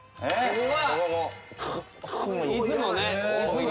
うわ。